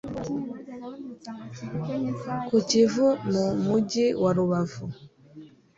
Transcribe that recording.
ku Kivu mu mugi wa Rubavu